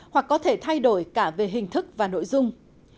hoặc có thể thay đổi cả về hình thức và nội dung